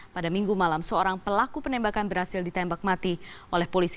pada minggu malam seorang pelaku penembakan berhasil ditembak mati oleh polisi